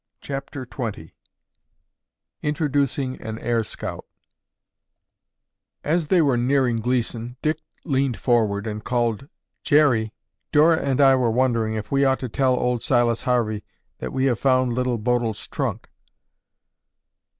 CHAPTER XX INTRODUCING AN AIR SCOUT As they were nearing Gleeson, Dick leaned forward and called, "Jerry, Dora and I were wondering if we ought to tell old Silas Harvey that we have found Little Bodil's trunk?"